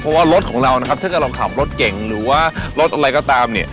เพราะว่ารถของเรานะครับถ้าเกิดเราขับรถเก่งหรือว่ารถอะไรก็ตามเนี่ย